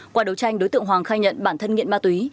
qua đấu tranh đối tượng hoàng khai nhận bản thân nghiện ma túy